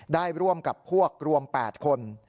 ได้ร่วมกับพวกรวม๘คน